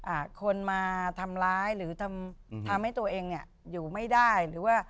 อ่าคนมาทำร้ายหรือทำอืมทำให้ตัวเองเนี้ยอยู่ไม่ได้หรือว่า